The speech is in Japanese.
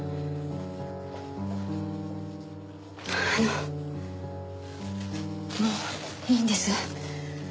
あのもういいんです。